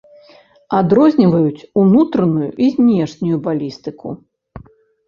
Адрозніваюць ўнутраную і знешнюю балістыку.